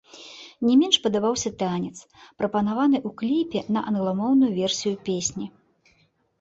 Не менш падабаўся танец, прапанаваны ў кліпе на англамоўную версію песні.